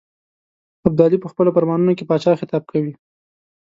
ابدالي په خپلو فرمانونو کې پاچا خطاب کوي.